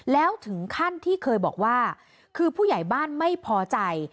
แล้วถึงขั้นที่เคยบอกว่าคือผู้ใหญ่บ้านไม่พอใจ